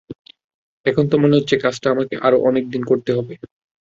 এখন তো মনে হচ্ছে, কাজটা আমাকে আরও অনেক দিন করতে হবে।